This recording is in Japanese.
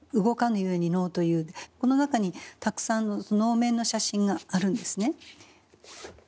この中にたくさん能面の写真があるんですね。